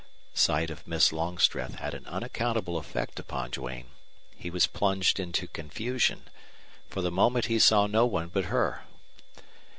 Sight of Miss Longstreth had an unaccountable effect upon Duane. He was plunged into confusion. For the moment he saw no one but her.